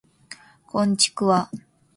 こんちくわ